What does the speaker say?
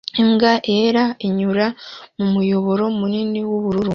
Imbwa yera inyura mu muyoboro munini w'ubururu